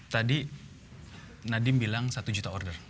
tadi nadiem bilang satu juta order